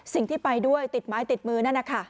สิ่งที่ไปด้วยติดไม้ติดมือนั่นนะคะ